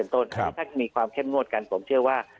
ถ้ามีความเท่นมวดกันผมเชื่อว่า